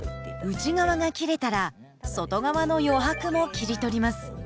内側が切れたら外側の余白も切り取ります。